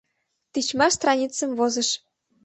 Тичмаш страницым возыш.